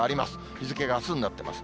日付があすになってます。